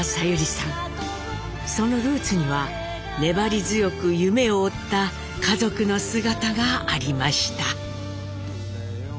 そのルーツには粘り強く夢を追った家族の姿がありました。